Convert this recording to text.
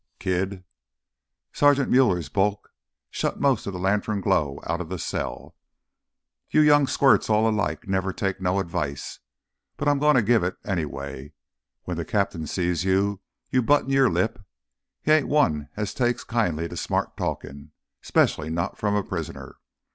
"Kid!" Sergeant Muller's bulk shut most of the lantern glow out of the cell. "You young squirts're all alike—never take no advice. But I'm gonna give it, anyway. When th' cap'n sees you, you button your lip! He ain't one as takes kindly to no smart talkin', 'specially not from a prisoner.